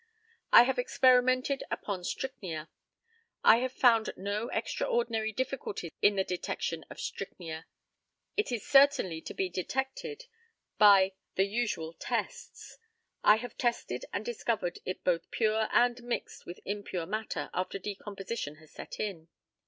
I have experimented upon strychnia. I have found no extraordinary difficulties in the detection of strychnia. It is certainly to be detected by the usual tests. I have tested and discovered it both pure and mixed with impure matter after decomposition has set in.